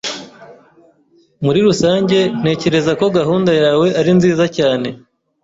Muri rusange, ntekereza ko gahunda yawe ari nziza cyane.